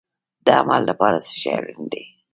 د عمل لپاره څه شی اړین دی؟